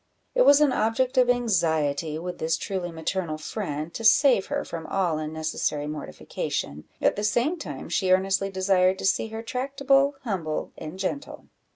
It was an object of anxiety with this truly maternal friend to save her from all unnecessary mortification, at the same time she earnestly desired to see her tractable, humble, and gentle.